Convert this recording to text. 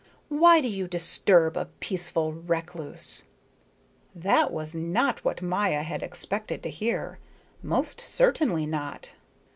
Why do you disturb a peaceful recluse?" That was not what Maya had expected to hear. Most certainly not.